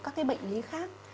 các cái bệnh lý khác